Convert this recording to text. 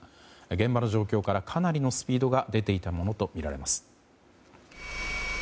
現場の状況からかなりのスピードが出ていたものとみられます。